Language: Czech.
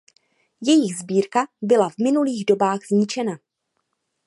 Jejich sbírka byla v minulých dobách zničena.